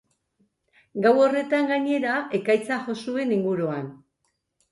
Gau horretan, gainera, ekaitzak jo zuen inguruan.